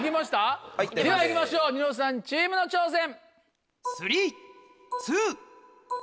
ではいきましょうニノさんチームの挑戦。